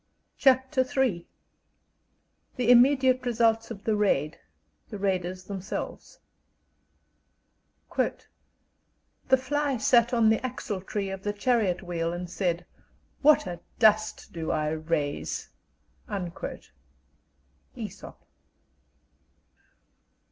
CHAPTER III THE IMMEDIATE RESULTS OF THE RAID THE RAIDERS THEMSELVES "The fly sat on the axle tree of the chariot wheel, and said, 'What a dust do I raise!'" Æsop.